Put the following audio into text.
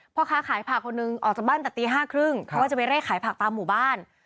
พ่อค้าขายผักคนหนึ่งออกจากบ้านแต่ตี๕๓๐เพราะว่าจะไปเลขขายผักตามหมู่บ้าน